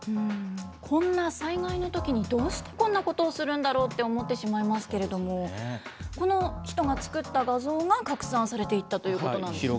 こんな災害のときにどうしてこんなことをするんだろうって思ってしまいますけれども、この人が作った画像が拡散されていったということなんですね。